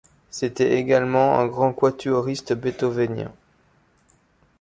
C'était également un grand quatuoriste beethovénien.